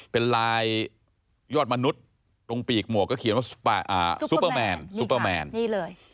เป็นลายยอดมนุษย์ตรงปีกหมวกก็เขียนว่าอ่าซุเปอร์แมนนี่ค่ะนี่เลย